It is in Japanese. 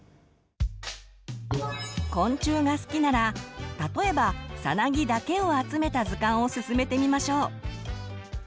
昆虫が好きなら例えばさなぎだけを集めた図鑑をすすめてみましょう。